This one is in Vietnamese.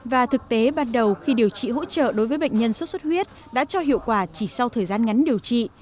và thực tế ban đầu khi điều trị hỗ trợ đối với bệnh nhân xuất xuất huyết đã cho hiệu quả chỉ sau thời gian ngắn điều trị